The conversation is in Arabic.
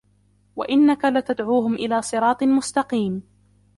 وإنك لتدعوهم إلى صراط مستقيم